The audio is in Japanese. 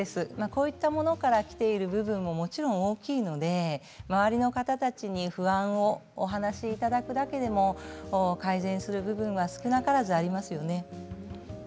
こういったものからきている部分ももちろん大きいので周りの方たちに不安をお話しいただくだけでも改善する部分が少なからずありますよね。